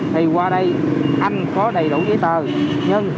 bây giờ chuẩn bị anh chú nha